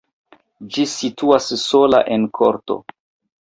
Ĝi situas sola en korto.